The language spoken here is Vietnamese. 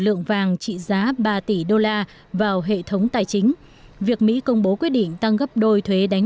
lượng vàng trị giá ba tỷ đô la vào hệ thống tài chính việc mỹ công bố quyết định tăng gấp đôi thuế đánh